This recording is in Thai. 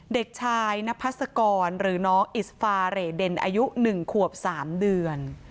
เด็กชายนพัศกรหรือน้องอิสฟาเรเดนอายุ๑ขวบ๓เดือน